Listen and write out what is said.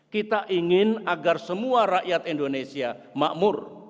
kita ingin agar semua rakyat indonesia makmur